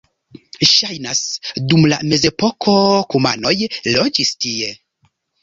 Ŝajnas, dum la mezepoko kumanoj loĝis tie.